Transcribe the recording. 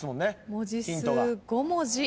文字数５文字。